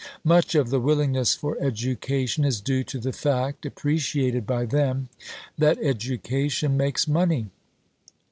Much of the willingness for education is due to the fact, appreciated by them, that education makes money.